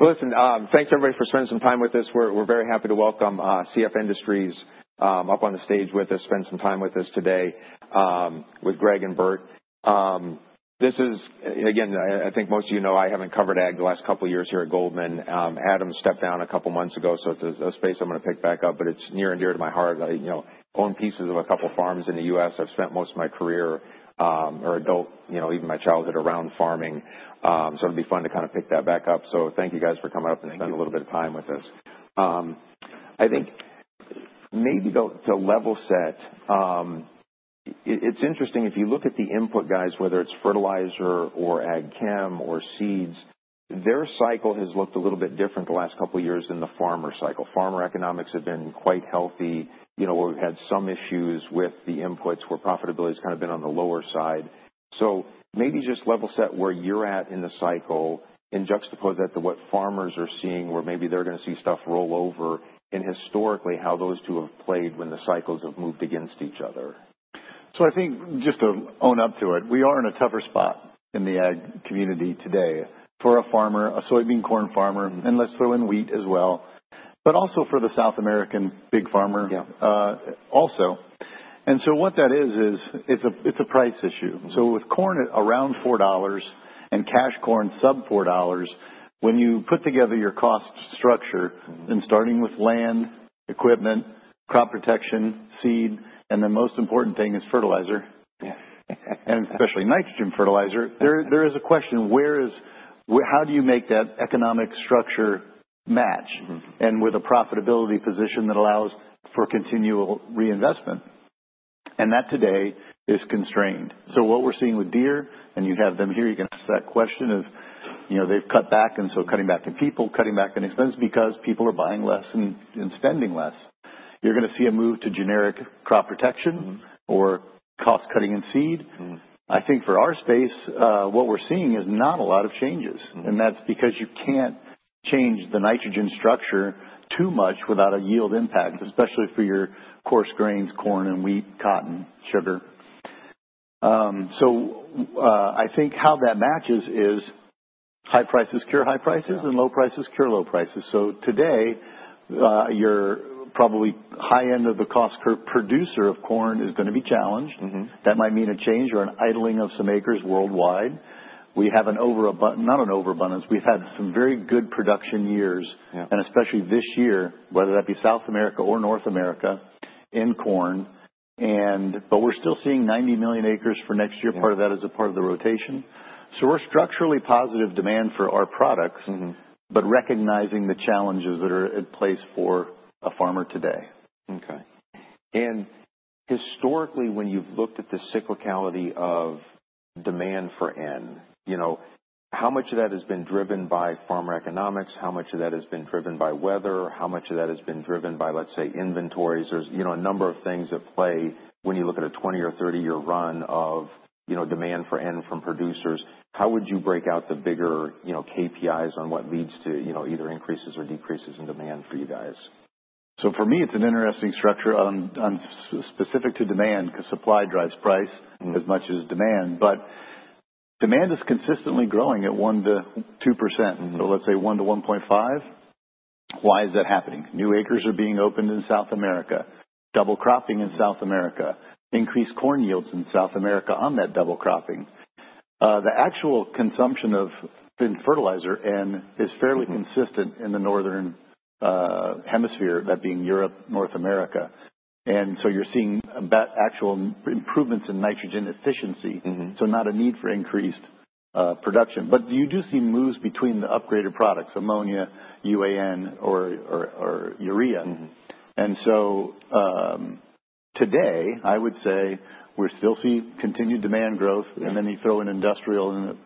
Listen, thanks everybody for spending some time with us. We're very happy to welcome CF Industries up on the stage with us, spend some time with us today with Greg and Bert. This is, again, I think most of you know I haven't covered ag the last couple of years here at Goldman. Adam stepped down a couple of months ago, so it's a space I'm going to pick back up, but it's near and dear to my heart. I own pieces of a couple of farms in the U.S. I've spent most of my career or adult, even my childhood, around farming, so it'll be fun to kind of pick that back up. So thank you guys for coming up and spending a little bit of time with us. I think maybe to level set, it's interesting if you look at the input guys, whether it's fertilizer or ag chem or seeds, their cycle has looked a little bit different the last couple of years than the farmer cycle. Farmer economics have been quite healthy. We've had some issues with the inputs where profitability has kind of been on the lower side. So maybe just level set where you're at in the cycle and juxtapose that to what farmers are seeing where maybe they're going to see stuff roll over and historically how those two have played when the cycles have moved against each other. I think just to own up to it, we are in a tougher spot in the ag community today for a farmer, a soybean corn farmer, and let's throw in wheat as well, but also for the South American big farmer also. And so what that is, is it's a price issue. So with corn at around $4 and cash corn sub-$4, when you put together your cost structure and starting with land, equipment, crop protection, seed, and the most important thing is fertilizer, and especially nitrogen fertilizer, there is a question: how do you make that economic structure match and with a profitability position that allows for continual reinvestment? And that today is constrained. So what we're seeing with Deere, and you have them here, you can ask that question if they've cut back, and so cutting back in people, cutting back in expenses because people are buying less and spending less. You're going to see a move to generic crop protection or cost-cutting in seed. I think for our space, what we're seeing is not a lot of changes, and that's because you can't change the nitrogen structure too much without a yield impact, especially for your coarse grains, corn and wheat, cotton, sugar. So I think how that matches is high prices cure high prices and low prices cure low prices. So today, you're probably high-end of the cost per producer of corn is going to be challenged. That might mean a change or an idling of some acres worldwide. We have an over, not an overabundance. We've had some very good production years, and especially this year, whether that be South America or North America in corn, but we're still seeing 90 million acres for next year. Part of that is a part of the rotation. So we're structurally positive demand for our products, but recognizing the challenges that are in place for a farmer today. Okay, and historically, when you've looked at the cyclicality of demand for N, how much of that has been driven by farmer economics? How much of that has been driven by weather? How much of that has been driven by, let's say, inventories? There's a number of things at play when you look at a 20 or 30-year run of demand for N from producers. How would you break out the bigger KPIs on what leads to either increases or decreases in demand for you guys? So for me, it's an interesting structure specific to demand because supply drives price as much as demand, but demand is consistently growing at 1%-2%. So let's say 1%-1.5%. Why is that happening? New acres are being opened in South America, double-cropping in South America, increased corn yields in South America on that double-cropping. The actual consumption of fertilizer N is fairly consistent in the Northern Hemisphere, that being Europe, North America. And so you're seeing actual improvements in nitrogen efficiency, so not a need for increased production, but you do see moves between the upgraded products, ammonia, UAN, or urea. And so today, I would say we're still seeing continued demand growth, and then you throw in industrial, and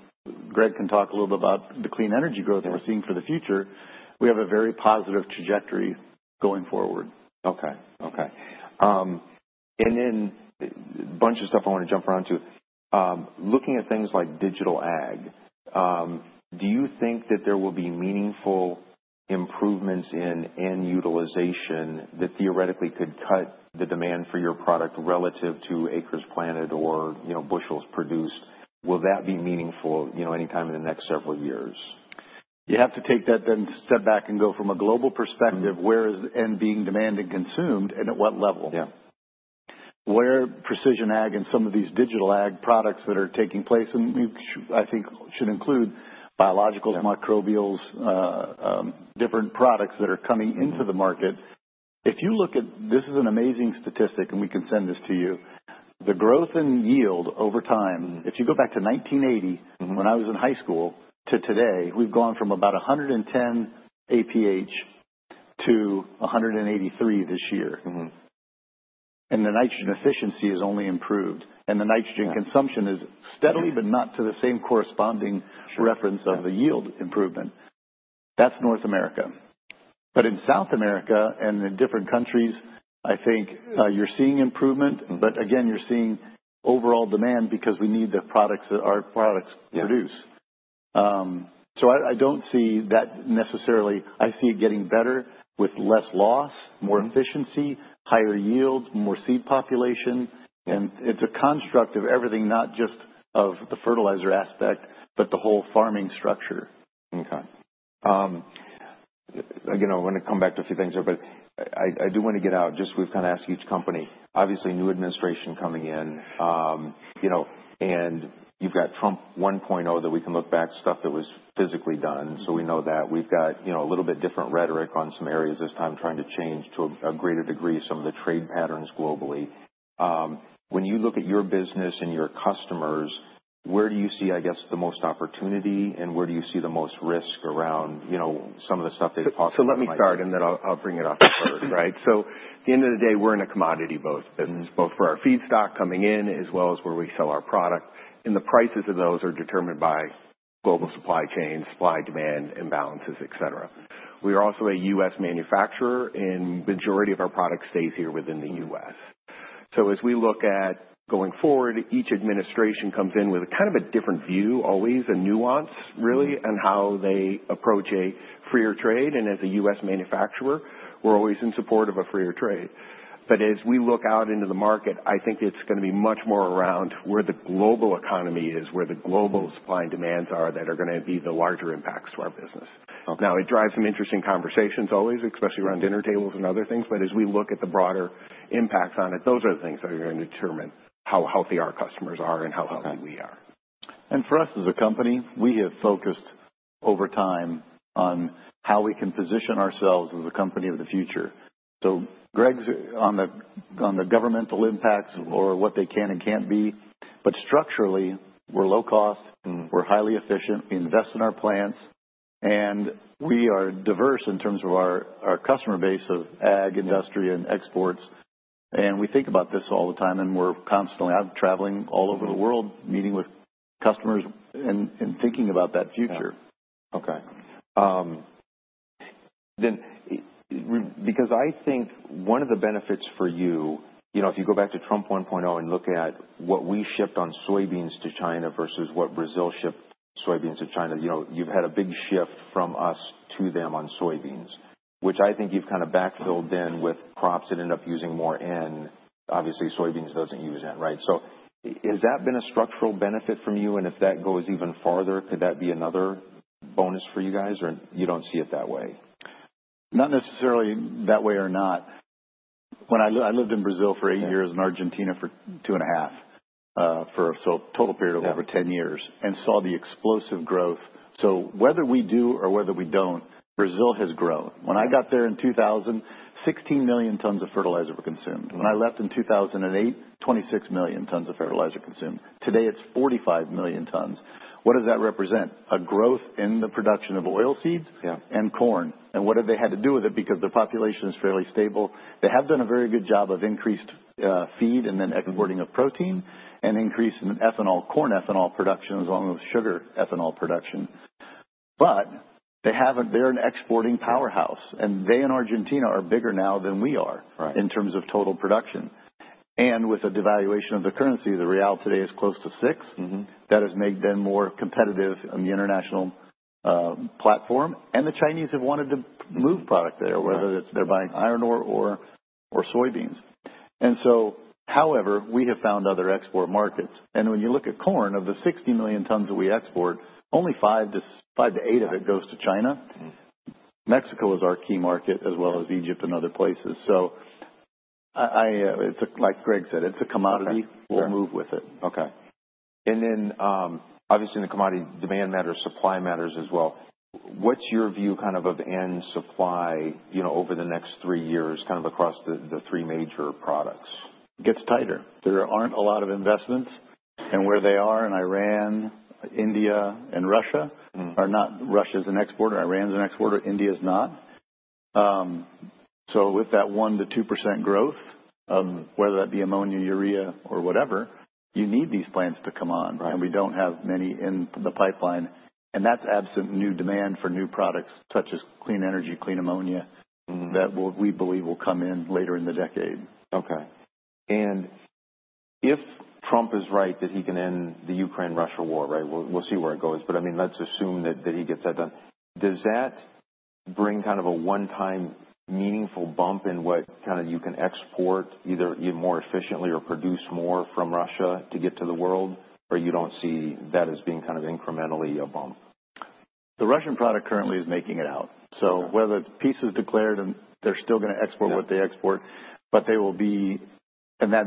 Greg can talk a little bit about the clean energy growth we're seeing for the future. We have a very positive trajectory going forward. Okay. And then a bunch of stuff I want to jump around to. Looking at things like digital ag, do you think that there will be meaningful improvements in N utilization that theoretically could cut the demand for your product relative to acres planted or bushels produced? Will that be meaningful anytime in the next several years? You have to take that then step back and go from a global perspective, where is N being demanded and consumed, and at what level? Yeah. Where precision ag and some of these digital ag products that are taking place, and I think should include biologicals, microbials, different products that are coming into the market. If you look at this, this is an amazing statistic, and we can send this to you. The growth in yield over time, if you go back to 1980 when I was in high school to today, we've gone from about 110 APH to 183 this year, and the nitrogen efficiency has only improved, and the nitrogen consumption is steadily but not to the same corresponding reference of the yield improvement. That's North America, but in South America and in different countries, I think you're seeing improvement, but again, you're seeing overall demand because we need the products that our products produce, so I don't see that necessarily. I see it getting better with less loss, more efficiency, higher yields, more seed population, and it's a construct of everything, not just of the fertilizer aspect, but the whole farming structure. Okay. I want to come back to a few things here, but I do want to get out just we've kind of asked each company. Obviously, new administration coming in, and you've got Trump 1.0 that we can look back, stuff that was physically done, so we know that. We've got a little bit different rhetoric on some areas this time, trying to change to a greater degree some of the trade patterns globally. When you look at your business and your customers, where do you see, I guess, the most opportunity, and where do you see the most risk around some of the stuff they've talked about? So let me start, and then I'll bring it up first, right? So at the end of the day, we're in a commodity both business, both for our feedstock coming in as well as where we sell our product, and the prices of those are determined by global supply chains, supply-demand imbalances, etc. We are also a U.S. manufacturer, and the majority of our product stays here within the U.S. So as we look at going forward, each administration comes in with kind of a different view, always a nuance really, on how they approach a freer trade, and as a U.S. manufacturer, we're always in support of a freer trade. But as we look out into the market, I think it's going to be much more around where the global economy is, where the global supply and demands are that are going to be the larger impacts to our business. Now, it drives some interesting conversations always, especially around dinner tables and other things, but as we look at the broader impacts on it, those are the things that are going to determine how healthy our customers are and how healthy we are. And for us as a company, we have focused over time on how we can position ourselves as a company of the future. So Greg's on the governmental impacts or what they can and can't be, but structurally, we're low cost, we're highly efficient, we invest in our plants, and we are diverse in terms of our customer base of ag industry and exports. And we think about this all the time, and we're constantly, I'm traveling all over the world, meeting with customers and thinking about that future. Okay. Because I think one of the benefits for you, if you go back to Trump 1.0 and look at what we shipped on soybeans to China versus what Brazil shipped soybeans to China, you've had a big shift from us to them on soybeans, which I think you've kind of backfilled then with crops that end up using more N, obviously soybeans doesn't use N, right? So has that been a structural benefit from you? And if that goes even farther, could that be another bonus for you guys, or you don't see it that way? Not necessarily that way or not. I lived in Brazil for eight years and Argentina for two and a half, for a total period of over 10 years, and saw the explosive growth. So whether we do or whether we don't, Brazil has grown. When I got there in 2000, 16 million tons of fertilizer were consumed. When I left in 2008, 26 million tons of fertilizer consumed. Today, it's 45 million tons. What does that represent? A growth in the production of oilseeds and corn, and what have they had to do with it? Because the population is fairly stable. They have done a very good job of increased feed and then exporting of protein and increase in ethanol, corn ethanol production along with sugar ethanol production. But they're an exporting powerhouse, and they in Argentina are bigger now than we are in terms of total production. With a devaluation of the currency, the real today is close to six. That has made them more competitive on the international platform, and the Chinese have wanted to move product there, whether they're buying iron ore or soybeans. However, we have found other export markets. When you look at corn, of the 60 million tons that we export, only five to eight of it goes to China. Mexico is our key market as well as Egypt and other places. Like Greg said, it's a commodity. We'll move with it. Okay. And then obviously in the commodity demand matters, supply matters as well. What's your view kind of N supply over the next three years kind of across the three major products? Gets tighter. There aren't a lot of investments, and where they are in Iran, India, and Russia are not. Russia is an exporter, Iran is an exporter, India is not. So with that 1%-2% growth, whether that be ammonia, urea, or whatever, you need these plants to come on, and we don't have many in the pipeline, and that's absent new demand for new products such as clean energy, clean ammonia that we believe will come in later in the decade. Okay. And if Trump is right that he can end the Ukraine-Russia war, right? We'll see where it goes, but I mean, let's assume that he gets that done. Does that bring kind of a one-time meaningful bump in what kind of you can export either more efficiently or produce more from Russia to get to the world, or you don't see that as being kind of incrementally a bump? The Russian product currently is making it out, so whether the peace is declared, they're still going to export what they export, but they will be, and that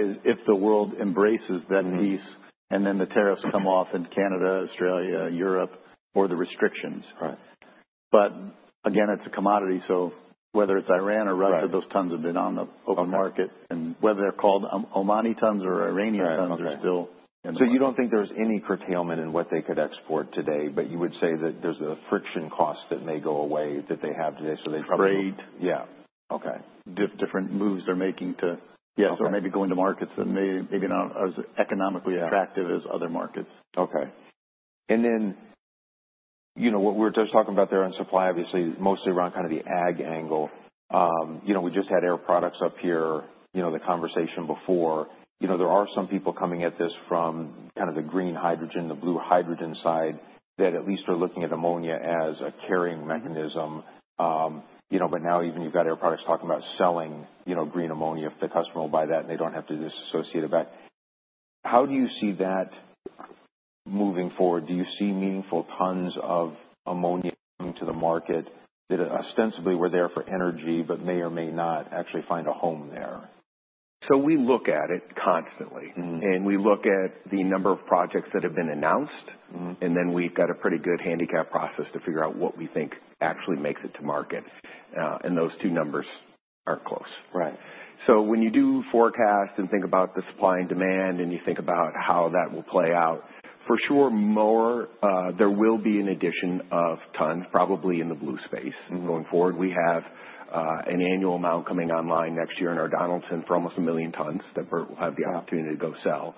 is if the world embraces that peace, and then the tariffs come off in Canada, Australia, Europe, or the restrictions, but again, it's a commodity, so whether it's Iran or Russia, those tons have been on the open market, and whether they're called Omani tons or Iranian tons are still. So you don't think there's any curtailment in what they could export today, but you would say that there's a friction cost that may go away that they have today, so they probably. Trade. Yeah. Okay. Different moves they're making to. Yes. Or maybe going to markets that maybe not as economically attractive as other markets. Okay. And then what we're just talking about there on supply, obviously mostly around kind of the ag angle. We just had Air Products up here, the conversation before. There are some people coming at this from kind of the green hydrogen, the blue hydrogen side that at least are looking at ammonia as a carrying mechanism. But now even you've got Air Products talking about selling green ammonia if the customer will buy that, and they don't have to disassociate it back. How do you see that moving forward? Do you see meaningful tons of ammonia coming to the market that ostensibly were there for energy but may or may not actually find a home there? We look at it constantly, and we look at the number of projects that have been announced, and then we've got a pretty good handicap process to figure out what we think actually makes it to market. And those two numbers aren't close. So when you do forecast and think about the supply and demand, and you think about how that will play out, for sure, more there will be an addition of tons, probably in the blue space going forward. We have an annual amount coming online next year in our Donaldsonville for almost a million tons that we'll have the opportunity to go sell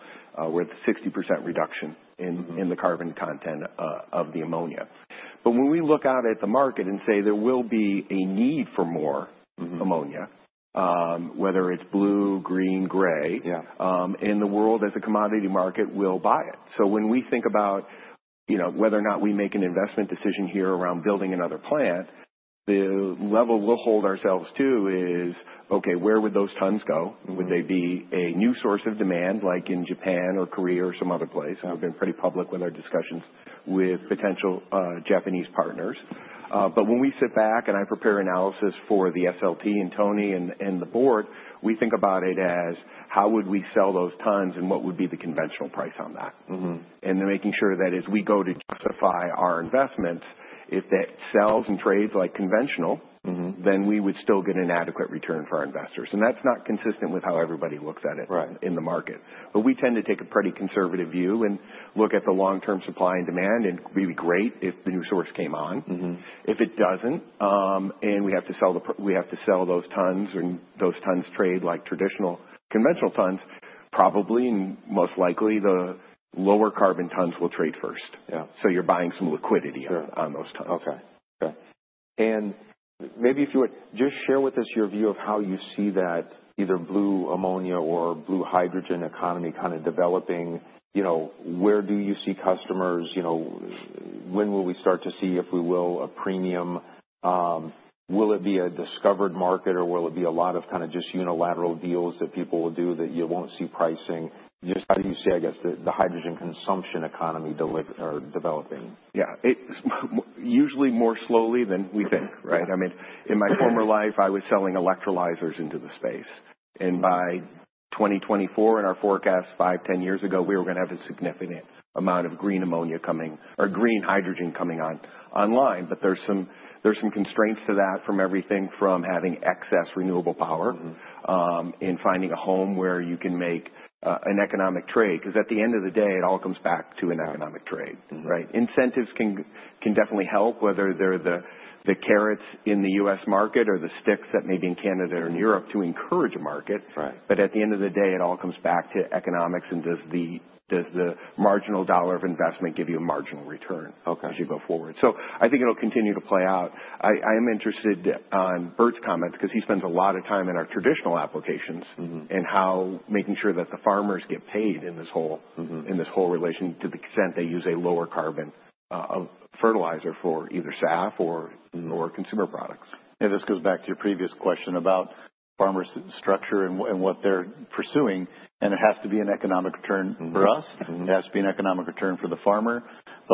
with 60% reduction in the carbon content of the ammonia. But when we look out at the market and say there will be a need for more ammonia, whether it's blue, green, gray, and the world as a commodity market will buy it. So when we think about whether or not we make an investment decision here around building another plant, the level we'll hold ourselves to is, okay, where would those tons go? Would they be a new source of demand like in Japan or Korea or some other place? We've been pretty public with our discussions with potential Japanese partners. But when we sit back and I prepare analysis for the SLT and Tony and the board, we think about it as how would we sell those tons and what would be the conventional price on that? And then making sure that as we go to justify our investments, if that sells and trades like conventional, then we would still get an adequate return for our investors. And that's not consistent with how everybody looks at it in the market. But we tend to take a pretty conservative view and look at the long-term supply and demand, and it'd be great if the new source came on. If it doesn't, and we have to sell those tons and those tons trade like traditional conventional tons, probably and most likely the lower carbon tons will trade first. So you're buying some liquidity on those tons. Okay. And maybe if you would just share with us your view of how you see that either blue ammonia or blue hydrogen economy kind of developing, where do you see customers? When will we start to see if we will a premium? Will it be a discovered market, or will it be a lot of kind of just unilateral deals that people will do that you won't see pricing? Just how do you see, I guess, the hydrogen consumption economy developing? Yeah. Usually more slowly than we think, right? I mean, in my former life, I was selling electrolyzers into the space. And by 2024, in our forecast five, ten years ago, we were going to have a significant amount of green ammonia coming or green hydrogen coming online. But there's some constraints to that from everything from having excess renewable power and finding a home where you can make an economic trade. Because at the end of the day, it all comes back to an economic trade, right? Incentives can definitely help, whether they're the carrots in the U.S. market or the sticks that may be in Canada or in Europe to encourage a market. But at the end of the day, it all comes back to economics, and does the marginal dollar of investment give you a marginal return as you go forward? So I think it'll continue to play out. I am interested on Bert's comments because he spends a lot of time in our traditional applications and how making sure that the farmers get paid in this whole relation to the extent they use a lower carbon fertilizer for either SAF or lower consumer products. This goes back to your previous question about farmers' structure and what they're pursuing, and it has to be an economic return for us. It has to be an economic return for the farmer.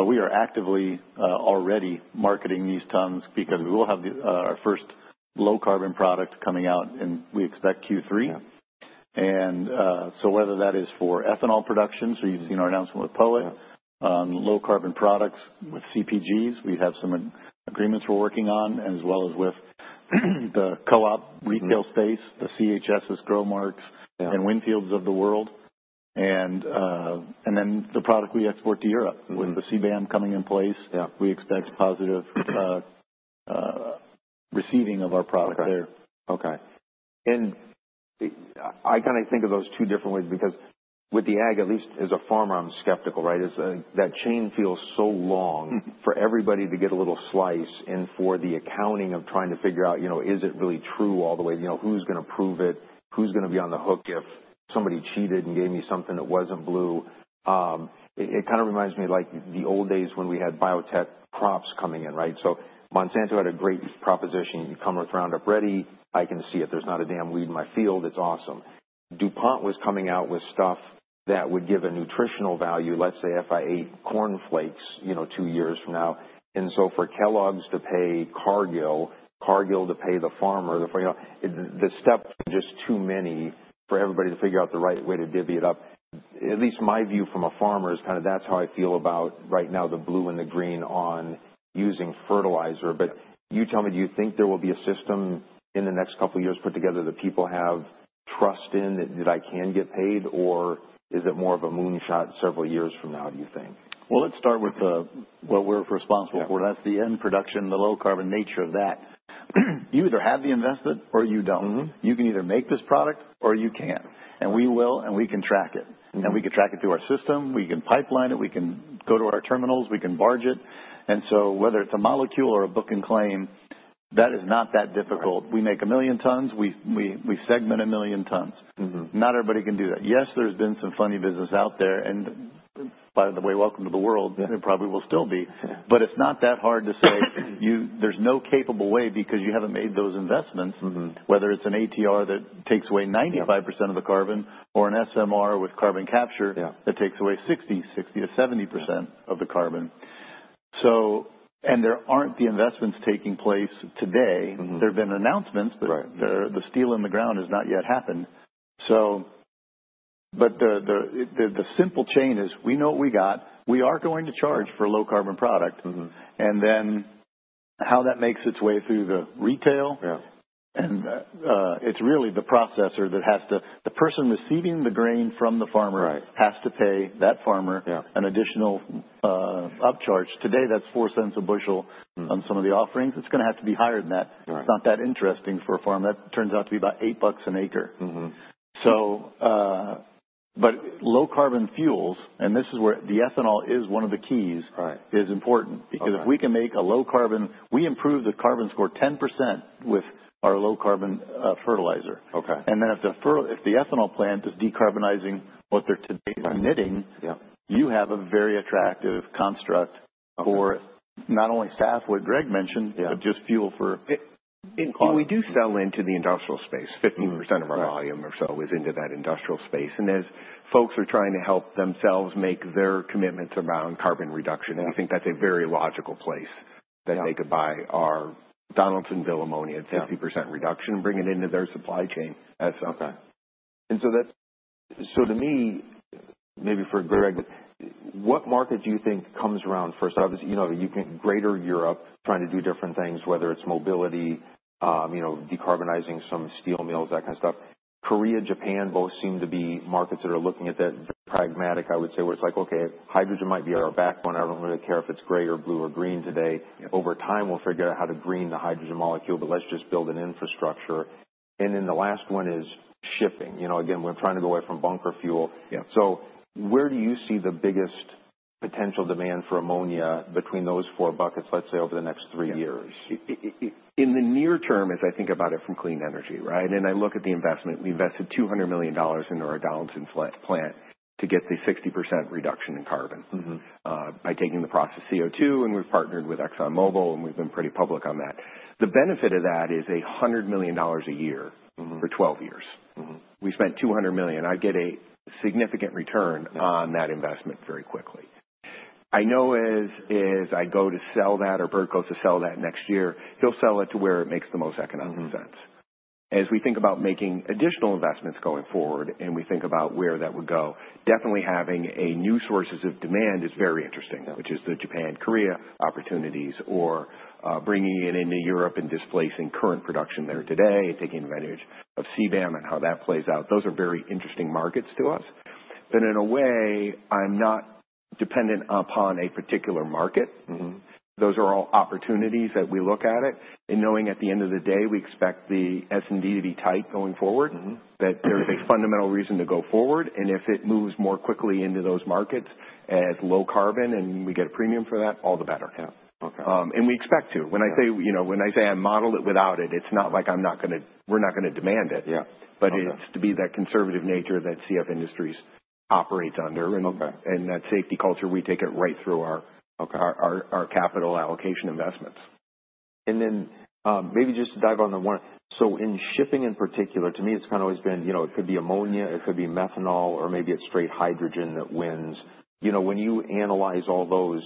We are actively already marketing these tons because we will have our first low-carbon product coming out, and we expect Q3. Whether that is for ethanol production, so you've seen our announcement with POET on low-carbon products with CPGs, we have some agreements we're working on, as well as with the co-op retail space, the CHS, GROWMARK, and WinField of the world. Then the product we export to Europe with the CBAM coming in place, we expect positive receiving of our product there. Okay. I kind of think of those two different ways because with the ag, at least as a farmer, I'm skeptical, right? That chain feels so long for everybody to get a little slice and for the accounting of trying to figure out, is it really true all the way? Who's going to prove it? Who's going to be on the hook if somebody cheated and gave me something that wasn't blue? It kind of reminds me like the old days when we had biotech crops coming in, right? So Monsanto had a great proposition. You come with Roundup Ready, I can see it. There's not a damn weed in my field. It's awesome. DuPont was coming out with stuff that would give a nutritional value, let's say if I ate cornflakes two years from now. And so for Kellogg's to pay Cargill, Cargill to pay the farmer, the steps are just too many for everybody to figure out the right way to divvy it up. At least my view from a farmer is kind of that's how I feel about right now the blue and the green on using fertilizer. But you tell me, do you think there will be a system in the next couple of years put together that people have trust in that I can get paid, or is it more of a moonshot several years from now, do you think? Let's start with what we're responsible for. That's the end production, the low carbon nature of that. You either have the investment or you don't. You can either make this product or you can't. We will, and we can track it. We can track it through our system. We can pipeline it. We can go to our terminals. We can barge it. Whether it's a molecule or a book and claim, that is not that difficult. We make a million tons. We segregate a million tons. Not everybody can do that. Yes, there's been some funny business out there, and by the way, welcome to the world. There probably will still be. But it's not that hard to say there's no capable way because you haven't made those investments, whether it's an ATR that takes away 95% of the carbon or an SMR with carbon capture that takes away 60%-70% of the carbon. And there aren't the investments taking place today. There have been announcements, but the steel in the ground has not yet happened. But the simple chain is we know what we got. We are going to charge for a low carbon product. And then how that makes its way through the retail, and it's really the processor that has to the person receiving the grain from the farmer has to pay that farmer an additional upcharge. Today, that's $0.04 a bushel on some of the offerings. It's going to have to be higher than that. It's not that interesting for a farm. That turns out to be about $8 an acre. But low carbon fuels, and this is where the ethanol is one of the keys, is important because if we can make a low carbon, we improve the carbon score 10% with our low carbon fertilizer. And then if the ethanol plant is decarbonizing what they're today emitting, you have a very attractive construct for not only SAF, what Greg mentioned, but just fuel for. We do sell into the industrial space. 15% of our volume or so is into that industrial space. And as folks are trying to help themselves make their commitments around carbon reduction, we think that's a very logical place that they could buy our Donaldsonville ammonia at 50% reduction and bring it into their supply chain. And so to me, maybe for Greg, what market do you think comes around first? Obviously, you've got Greater Europe trying to do different things, whether it's mobility, decarbonizing some steel mills, that kind of stuff. Korea, Japan both seem to be markets that are looking at that pragmatic, I would say, where it's like, okay, hydrogen might be our back one. I don't really care if it's gray or blue or green today. Over time, we'll figure out how to green the hydrogen molecule, but let's just build an infrastructure. And then the last one is shipping. Again, we're trying to go away from bunker fuel. So where do you see the biggest potential demand for ammonia between those four buckets, let's say, over the next three years? In the near term, as I think about it from clean energy, right? And I look at the investment. We invested $200 million in our Donaldsonville plant to get the 60% reduction in carbon by taking the process CO2, and we've partnered with ExxonMobil, and we've been pretty public on that. The benefit of that is $100 million a year for 12 years. We spent $200 million. I get a significant return on that investment very quickly. I know as I go to sell that or Bert goes to sell that next year, he'll sell it to where it makes the most economic sense. As we think about making additional investments going forward and we think about where that would go, definitely having new sources of demand is very interesting, which is the Japan-Korea opportunities or bringing it into Europe and displacing current production there today, taking advantage of CBAM and how that plays out. Those are very interesting markets to us, but in a way, I'm not dependent upon a particular market. Those are all opportunities that we look at it. And knowing at the end of the day, we expect the S&D to be tight going forward, that there's a fundamental reason to go forward. And if it moves more quickly into those markets as low carbon and we get a premium for that, all the better, and we expect to. When I say I model it without it, it's not like we're not going to demand it. But it's to be that conservative nature that CF Industries operates under and that safety culture. We take it right through our capital allocation investments. Maybe just to dive on the one in shipping in particular. To me, it's kind of always been it could be ammonia, it could be methanol, or maybe it's straight hydrogen that wins. When you analyze all those,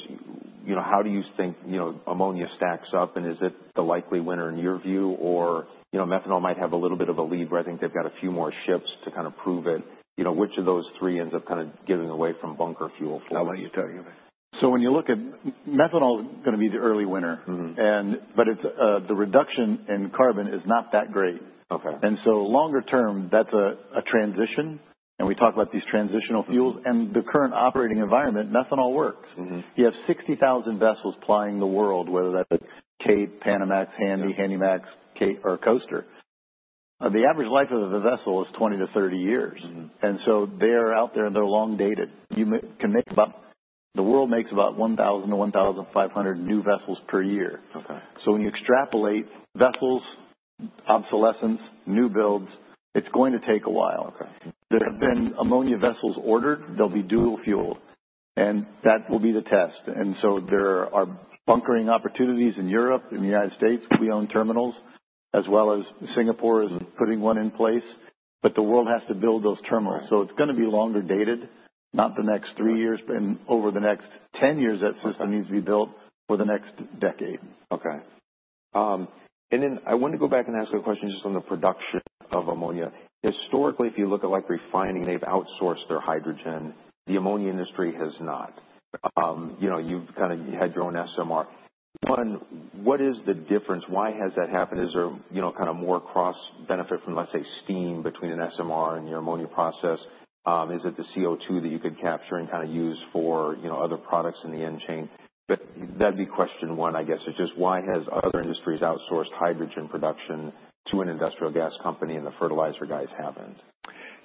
how do you think ammonia stacks up? And is it the likely winner in your view, or methanol might have a little bit of a lead where I think they've got a few more ships to kind of prove it? Which of those three ends up kind of giving away from bunker fuel for you? I'll let you talk about it. So when you look at methanol is going to be the early winner, but the reduction in carbon is not that great. And so longer term, that's a transition. And we talk about these transitional fuels. And the current operating environment, methanol works. You have 60,000 vessels plying the world, whether that's a Capesize, Panamax, Handysize, Handymax, Capesize, or coaster. The average life of a vessel is 20-30 years. And so they are out there and they're long dated. The world makes about 1,000-1,500 new vessels per year. So when you extrapolate vessels, obsolescence, new builds, it's going to take a while. There have been ammonia vessels ordered. They'll be dual fuel. And that will be the test. And so there are bunkering opportunities in Europe, in the United States. We own terminals, as well as Singapore is putting one in place. But the world has to build those terminals. So it's going to be longer dated, not the next three years, but over the next 10 years that system needs to be built for the next decade. Okay. And then I want to go back and ask a question just on the production of ammonia. Historically, if you look at refining, they've outsourced their hydrogen. The ammonia industry has not. You've kind of had your own SMR. One, what is the difference? Why has that happened? Is there kind of more cross benefit from, let's say, steam between an SMR and your ammonia process? Is it the CO2 that you could capture and kind of use for other products in the end chain? But that'd be question one, I guess, is just why have other industries outsourced hydrogen production to an industrial gas company and the fertilizer guys haven't?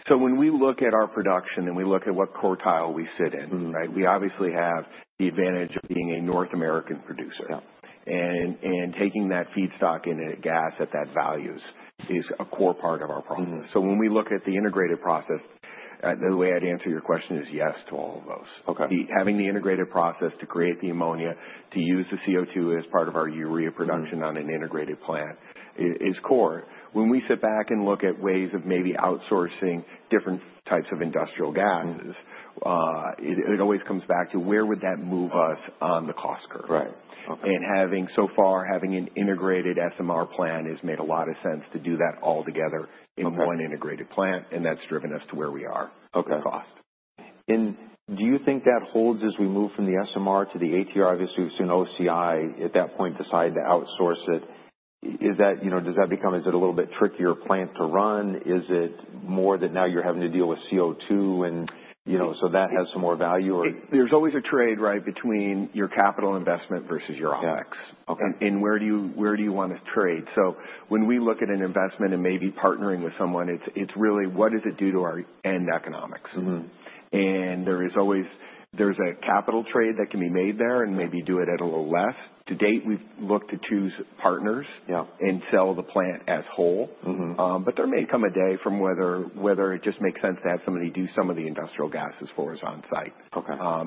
So when we look at our production and we look at what quartile we sit in, right? We obviously have the advantage of being a North American producer. And taking that feedstock and gas at those values is a core part of our advantage. So when we look at the integrated process, the way I'd answer your question is yes to all of those. Having the integrated process to create the ammonia, to use the CO2 as part of our urea production on an integrated plant is core. When we sit back and look at ways of maybe outsourcing different types of industrial gases, it always comes back to where would that move us on the cost curve? And so far, having an integrated SMR plant has made a lot of sense to do that all together in one integrated plant, and that's driven us to where we are cost. Do you think that holds as we move from the SMR to the ATR? Obviously, we've seen OCI at that point decide to outsource it. Does that become, is it a little bit trickier plant to run? Is it more that now you're having to deal with CO2 and so that has some more value? There's always a trade, right, between your capital investment versus your ops. And where do you want to trade? So when we look at an investment and maybe partnering with someone, it's really what does it do to our end economics? And there's a capital trade that can be made there and maybe do it at a little less. To date, we've looked to choose partners and sell the plant as a whole. But there may come a day when whether it just makes sense to have somebody do some of the industrial gases for us on site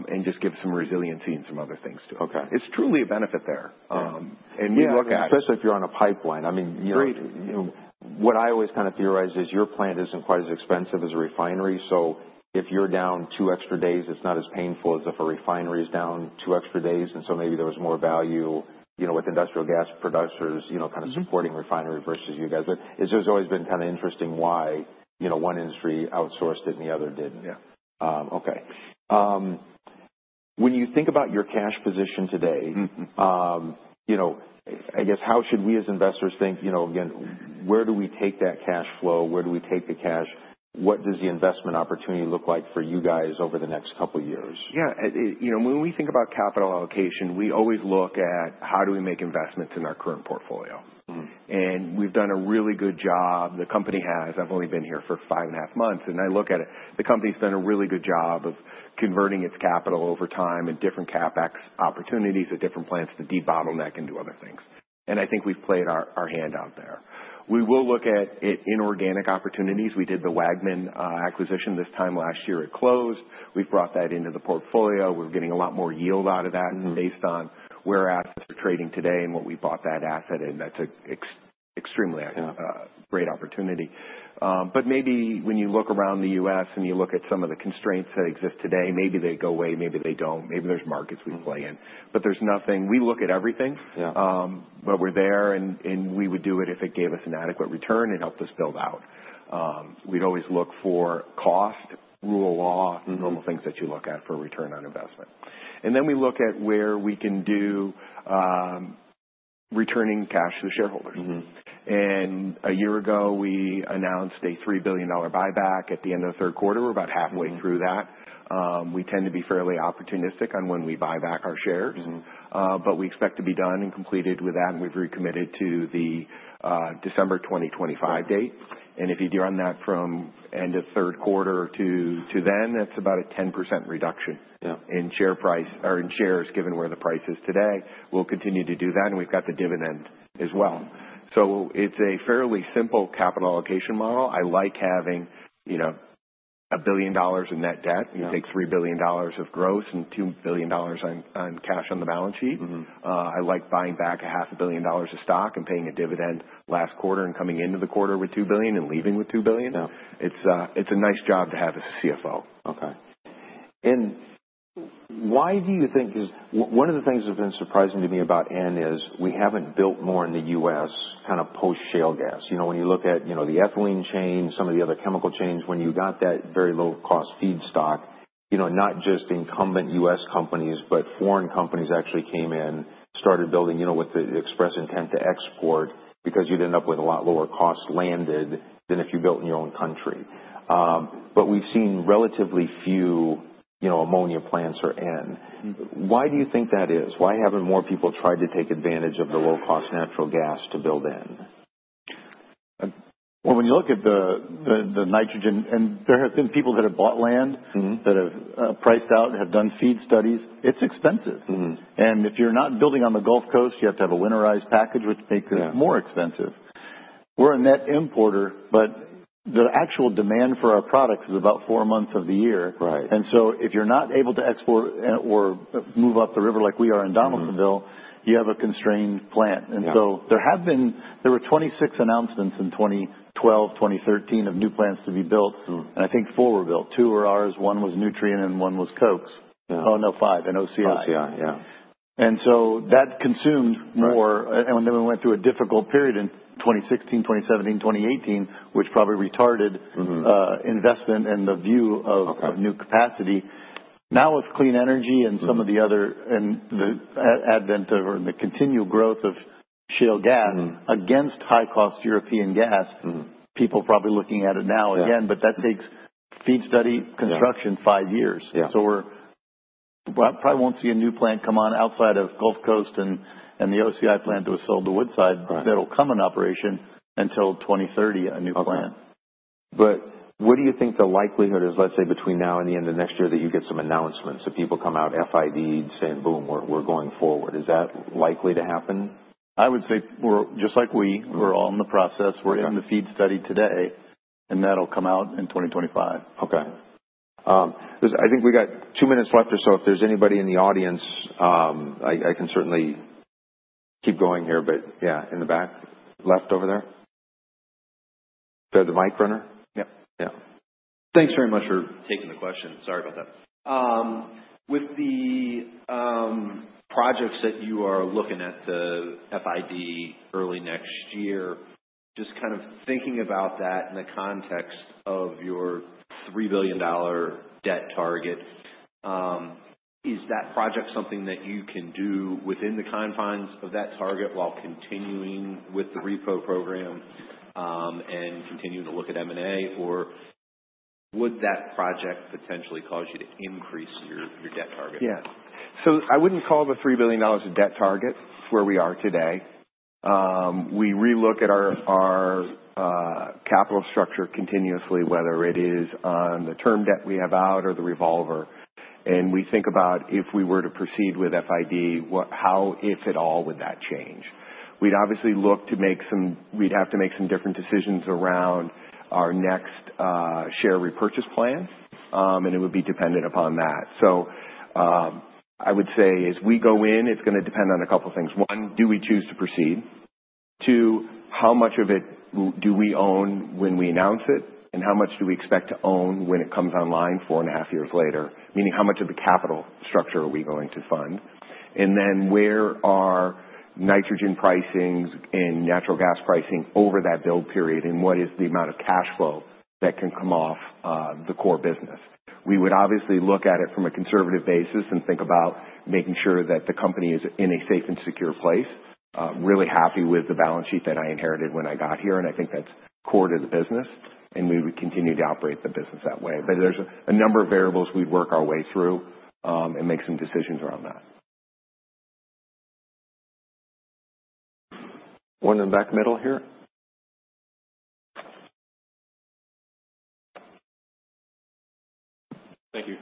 and just give some resiliency and some other things to it. It's truly a benefit there. And we look at. Especially if you're on a pipeline. I mean, what I always kind of theorize is your plant isn't quite as expensive as a refinery. So if you're down two extra days, it's not as painful as if a refinery is down two extra days. And so maybe there was more value with industrial gas producers kind of supporting refinery versus you guys. But it's just always been kind of interesting why one industry outsourced it and the other didn't. Okay. When you think about your cash position today, I guess how should we as investors think, again, where do we take that cash flow? Where do we take the cash? What does the investment opportunity look like for you guys over the next couple of years? Yeah. When we think about capital allocation, we always look at how do we make investments in our current portfolio. And we've done a really good job. The company has. I've only been here for five and a half months, and I look at it. The company's done a really good job of converting its capital over time and different CapEx opportunities at different plants to debottleneck and do other things. And I think we've played our hand out there. We will look at inorganic opportunities. We did the Waggaman acquisition this time last year. It closed. We've brought that into the portfolio. We're getting a lot more yield out of that based on where assets are trading today and what we bought that asset in. That's an extremely great opportunity. But maybe when you look around the US and you look at some of the constraints that exist today, maybe they go away, maybe they don't. Maybe there's markets we play in. But we look at everything, but we're there, and we would do it if it gave us an adequate return and helped us build out. We'd always look for cost, rule of law, normal things that you look at for return on investment. And then we look at where we can do returning cash to the shareholders. And a year ago, we announced a $3 billion buyback at the end of the third quarter. We're about halfway through that. We tend to be fairly opportunistic on when we buy back our shares, but we expect to be done and completed with that. And we've recommitted to the December 2025 date. And if you do on that from end of third quarter to then, that's about a 10% reduction in share price or in shares given where the price is today. We'll continue to do that, and we've got the dividend as well. So it's a fairly simple capital allocation model. I like having $1 billion in net debt. You take $3 billion of gross and $2 billion on cash on the balance sheet. I like buying back $500 million of stock and paying a dividend last quarter and coming into the quarter with $2 billion and leaving with $2 billion. It's a nice job to have as a CFO. Okay. And why do you think one of the things that's been surprising to me about N is we haven't built more in the U.S. kind of post-shale gas? When you look at the ethylene chain, some of the other chemical chains, when you got that very low-cost feedstock, not just incumbent U.S. companies, but foreign companies actually came in, started building with the express intent to export because you'd end up with a lot lower cost landed than if you built in your own country. But we've seen relatively few ammonia plants or N. Why do you think that is? Why haven't more people tried to take advantage of the low-cost natural gas to build N? When you look at the nitrogen, there have been people that have bought land, that have priced out, have done FEED studies. It's expensive. If you're not building on the Gulf Coast, you have to have a winterized package, which makes it more expensive. We're a net importer, but the actual demand for our products is about four months of the year. If you're not able to export or move up the river like we are in Donaldsonville, you have a constrained plant. There were 26 announcements in 2012, 2013 of new plants to be built. I think four were built. Two were ours. One was Nutrien and one was Koch. Oh, no, five. OCI. OCI, yeah. And so that consumed more. And then we went through a difficult period in 2016, 2017, 2018, which probably retarded investment and the view of new capacity. Now with clean energy and some of the other and the advent or the continual growth of shale gas against high-cost European gas, people are probably looking at it now again, but that takes FEED study construction five years. So we probably won't see a new plant come on outside of Gulf Coast and the OCI plant that was sold to Woodside. That'll come in operation until 2030, a new plant. But what do you think the likelihood is, let's say, between now and the end of next year that you get some announcements that people come out FID saying, "Boom, we're going forward"? Is that likely to happen? I would say we're all in the process. We're in the FEED study today, and that'll come out in 2025. Okay. I think we got two minutes left or so. If there's anybody in the audience, I can certainly keep going here, but yeah, in the back left over there, there's a mic runner. Yep. Yeah. Thanks very much for taking the question. Sorry about that. With the projects that you are looking at to FID early next year, just kind of thinking about that in the context of your $3 billion debt target, is that project something that you can do within the confines of that target while continuing with the repo program and continuing to look at M&A, or would that project potentially cause you to increase your debt target? Yeah. So I wouldn't call it a $3 billion debt target. It's where we are today. We relook at our capital structure continuously, whether it is on the term debt we have out or the revolver. And we think about if we were to proceed with FID, how, if at all, would that change? We'd obviously look to make some different decisions around our next share repurchase plan, and it would be dependent upon that. So I would say as we go in, it's going to depend on a couple of things. One, do we choose to proceed? Two, how much of it do we own when we announce it? And how much do we expect to own when it comes online four and a half years later? Meaning how much of the capital structure are we going to fund? And then where are nitrogen pricings and natural gas pricing over that build period? And what is the amount of cash flow that can come off the core business? We would obviously look at it from a conservative basis and think about making sure that the company is in a safe and secure place. Really happy with the balance sheet that I inherited when I got here, and I think that's core to the business. And we would continue to operate the business that way. But there's a number of variables we'd work our way through and make some decisions around that. One in the back middle here. Thank you.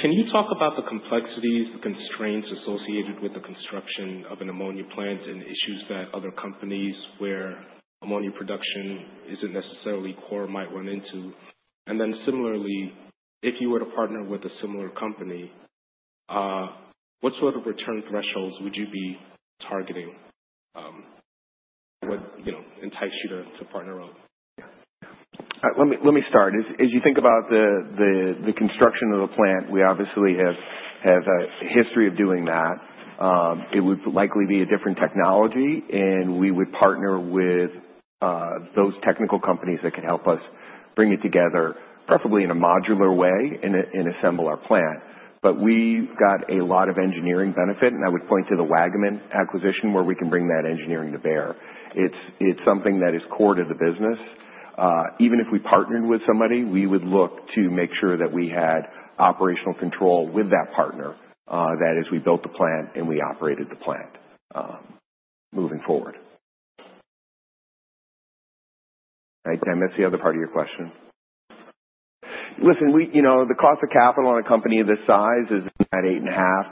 Can you talk about the complexities, the constraints associated with the construction of an ammonia plant and issues that other companies where ammonia production isn't necessarily core might run into? And then similarly, if you were to partner with a similar company, what sort of return thresholds would you be targeting? What entice you to partner up? All right. Let me start. As you think about the construction of the plant, we obviously have a history of doing that. It would likely be a different technology, and we would partner with those technical companies that could help us bring it together, preferably in a modular way, and assemble our plant. But we've got a lot of engineering benefit, and I would point to the Waggaman acquisition where we can bring that engineering to bear. It's something that is core to the business. Even if we partnered with somebody, we would look to make sure that we had operational control with that partner that as we built the plant and we operated the plant moving forward. I think I missed the other part of your question. Listen, the cost of capital on a company of this size is in that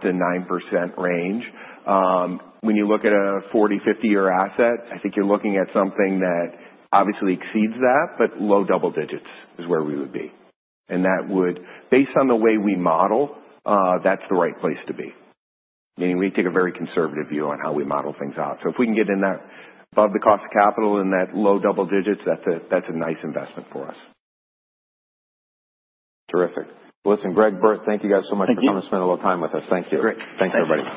8.5%-9% range. When you look at a 40, 50-year asset, I think you're looking at something that obviously exceeds that, but low double digits is where we would be, and that would, based on the way we model, that's the right place to be. Meaning we take a very conservative view on how we model things out, so if we can get in that above the cost of capital in that low double digits, that's a nice investment for us. Terrific. Well, listen, Greg, Bert, thank you guys so much for coming to spend a little time with us. Thank you. Great. Thanks, everybody.